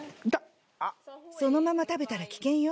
そのまま食べたら危険よ。